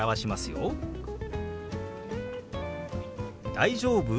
「大丈夫？」。